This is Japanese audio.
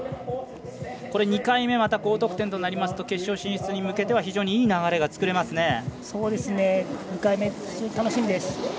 ２回目、また高得点となりますと決勝進出に向けては非常にいい流れが作れますね。